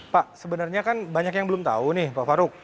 pak sebenarnya kan banyak yang belum tahu nih pak faruk